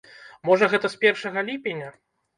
Можа гэта з першага ліпеня?